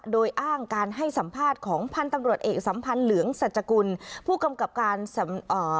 โดยอ้างการให้สัมภาษณ์ของพันธุ์ตำรวจเอกสัมพันธ์เหลืองสัจกุลผู้กำกับการสำเอ่อ